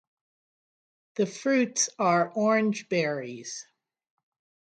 The fruits are orange berries.